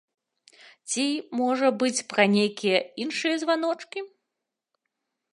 Ці, можа быць, пра нейкія іншыя званочкі?